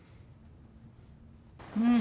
うん。